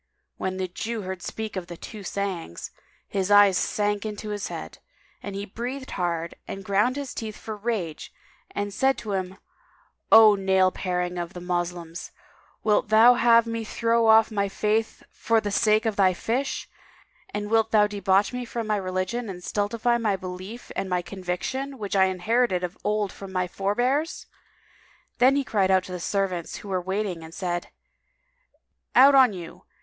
When the Jew heard speak of the "Two Sayings," his eyes sank into his head, he breathed hard and ground his teeth for rage and said to him, "O nail paring of the Moslems, wilt thou have me throw off my faith for the sake of thy fish, and wilt thou debauch me from my religion and stultify my belief and my conviction which I inherited of old from my forbears?" Then he cried out to the servants who were in waiting and said, "Out on you!